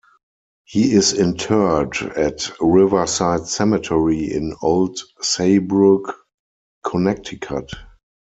He is interred at Riverside Cemetery in Old Saybrook, Connecticut.